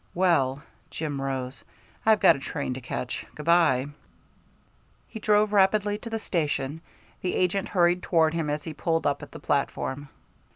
"Well," Jim rose, "I've got a train to catch. Good by." He drove rapidly to the station; the agent hurried toward him as he pulled up at the platform.